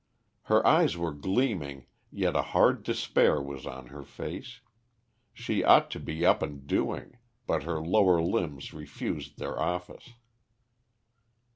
Her eyes were gleaming, yet a hard despair was on her face. She ought to be up and doing, but her lower limbs refused their office.